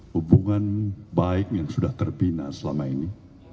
hubungan baik yang sudah terbina selama ini